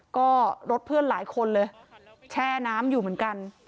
ก็รถเพื่อนหลายคนเลยแช่น้ำอยู่เหมือนกัน